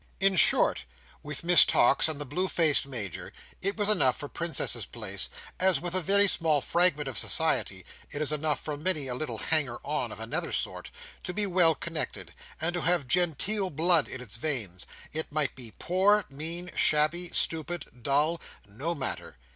In short, with Miss Tox and the blue faced Major, it was enough for Princess's Place—as with a very small fragment of society, it is enough for many a little hanger on of another sort—to be well connected, and to have genteel blood in its veins. It might be poor, mean, shabby, stupid, dull. No matter.